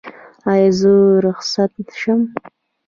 ایا زه رخصت شم؟